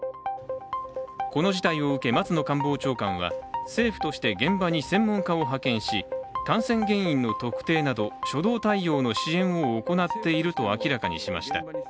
この事態を受け松野官房長官は政府として現場に専門家を派遣し感染原因の特定など、初動対応の支援を行っていると明らかにしました。